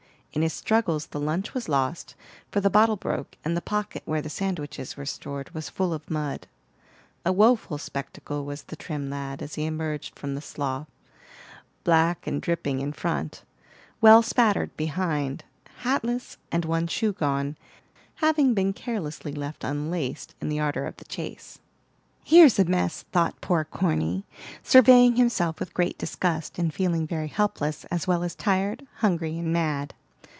In his struggles the lunch was lost, for the bottle broke and the pocket where the sandwiches were stored was full of mud. A woful spectacle was the trim lad as he emerged from the slough, black and dripping in front, well spattered behind, hatless, and one shoe gone, having been carelessly left unlaced in the ardor of the chase. "Here's a mess!" thought poor Corny, surveying himself with great disgust and feeling very helpless, as well as tired, hungry, and mad.